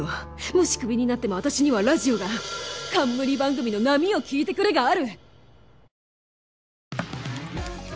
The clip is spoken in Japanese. もしクビになっても私にはラジオが冠番組の『波よ聞いてくれ』がある！